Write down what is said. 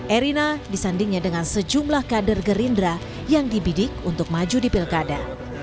erina disandingnya dengan sejumlah kader gerindra yang dibidik untuk maju di pilkada